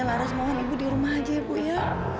laras mohon ibu di rumah aja ya bu ya